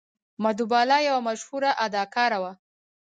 مدهو بالا یوه مشهوره اداکاره وه.